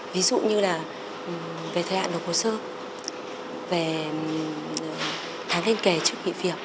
ví dụ như là về thời hạn đồng hồ sơ về tháng lên kề trước nghỉ việc